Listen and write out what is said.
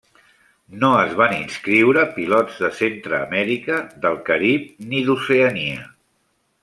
No es van inscriure pilots de Centreamèrica, del Carib ni d'Oceania.